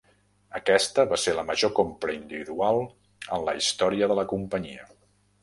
Aquesta va ser la major compra individual en la història de la companyia.